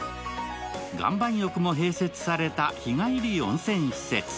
岩盤浴も併設された日帰り温泉施設。